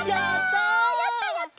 やった！